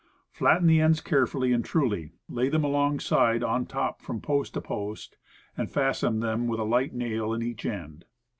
Flatten the ends carefully and truly, lay them along side on top from post to post, and fasten them with a light nail at each end.